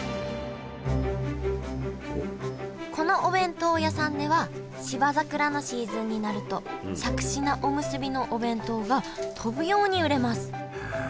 このお弁当屋さんでは芝桜のシーズンになるとしゃくし菜おむすびのお弁当が飛ぶように売れますへえ！